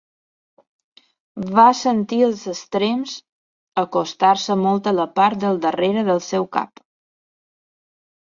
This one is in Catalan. Va sentir els extrems acostar-se molt a la part del darrere del seu cap.